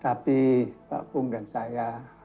tapi pak pung dan saya